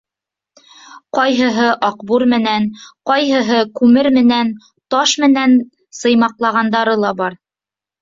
Ҡайһыһы аҡбур менән, ҡайһыһы күмер менән, таш менән сыймаҡланғандары ла бар.